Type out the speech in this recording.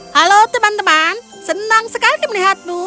halo teman teman senang sekali melihatmu